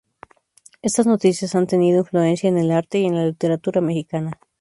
Estas noticias han tenido influencia en el arte y en la literatura mexicana.